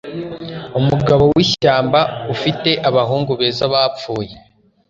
Umugabo wishyamba ufite abahungu beza bapfuye